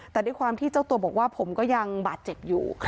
แต่ด้วยความที่เจ้าตัวบอกว่าผมก็ยังบาดเจ็บอยู่